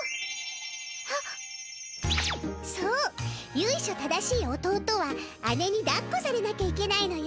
ゆいしょ正しい弟は姉にだっこされなきゃいけないのよ。